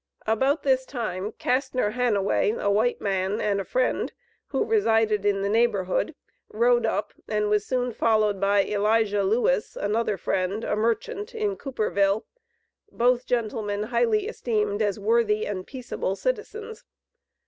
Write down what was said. About this time, Castner Hanaway, a white man, and a Friend, who resided in the neighborhood, rode up, and was soon followed by Elijah Lewis, another Friend, a merchant, in Cooperville, both gentlemen highly esteemed as worthy and peaceable citizens.